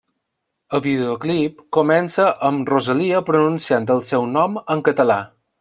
El videoclip comença amb Rosalia pronunciant el seu nom en català.